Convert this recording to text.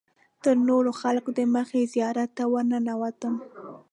تر نورو خلکو دمخه زیارت ته ورننوتم.